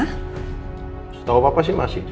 masih tahu apa apa sih masih